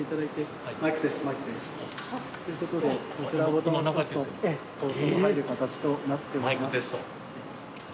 放送が入る形となっております。